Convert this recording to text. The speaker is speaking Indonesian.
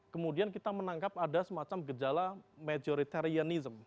kemudian kita menangkap ada semacam gejala majoritarianism